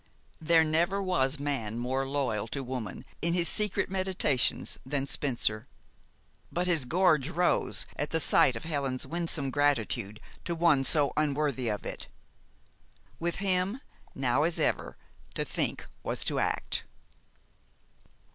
There never was man more loyal to woman in his secret meditations than Spencer; but his gorge rose at the sight of Helen's winsome gratitude to one so unworthy of it. With him, now as ever, to think was to act.